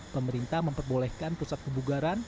pemerintah memperbolehkan pusat kebugaran